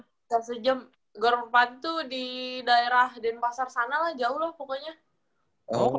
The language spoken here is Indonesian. sekarang sejam gor merpati tuh di daerah denpasar sana lah jauh lah pokoknya